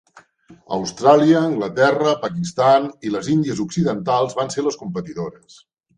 Austràlia, Anglaterra, Pakistan i les Índies Occidentals van ser les competidores.